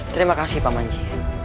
terima kasih pak manji